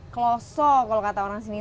klosok kalau kata orang sini